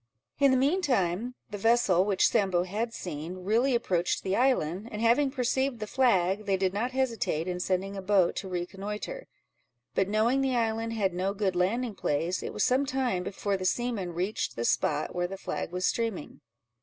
In the mean time, the vessel which Sambo had seen, really approached the island, and having perceived the flag, they did not hesitate in sending a boat to reconnoitre; but knowing the island had no good landing place, it was some time before the seamen reached the spot where the flag was streaming.